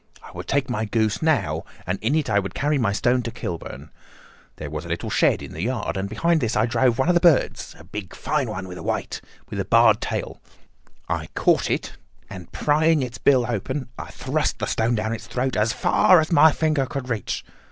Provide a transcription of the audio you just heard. I would take my goose now, and in it I would carry my stone to Kilburn. There was a little shed in the yard, and behind this I drove one of the birds—a fine big one, white, with a barred tail. I caught it, and prying its bill open, I thrust the stone down its throat as far as my finger could reach.